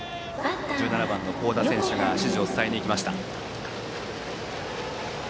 １７番の幸田選手が指示を伝えにいきました。